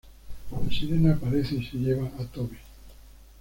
La sirena aparece y se lleva a Toby.